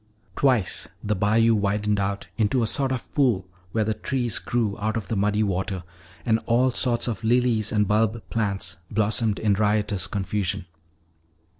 Twice the bayou widened out into a sort of pool where the trees grew out of the muddy water and all sorts of lilies and bulb plants blossomed in riotous confusion.